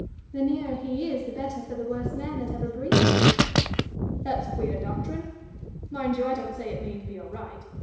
"The nearer he is, the better for the worst man that ever breathed." "That's queer doctrine! Mind you, I don't say it mayn't be all right.